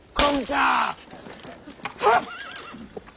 はっ！